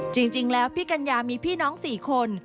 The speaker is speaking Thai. จริงแล้วพี่กัญญามีพี่น้อง๔คน